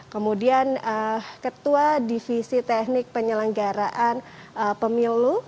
kemudian ketua divisi teknik penyelenggaraan pemilu